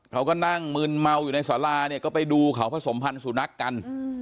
เขาก็นั่งมึนเมาอยู่ในสาราเนี่ยก็ไปดูเขาผสมพันธ์สุนัขกัน